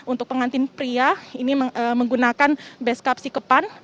untuk pengantin pria ini menggunakan beskap sikepan